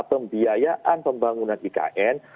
pembiayaan pembangunan ikn